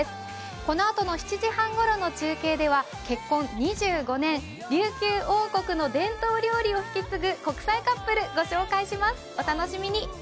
このあとの７時半ごろの中継では結婚２５年、琉球王国の伝統料理を引き継ぐ国際カップル、ご紹介します、お楽しみに。